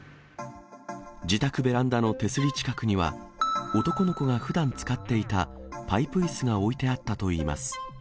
自宅ベランダの手すり近くには男の子がふだん使っていたパイプいすが置いてあったといいます。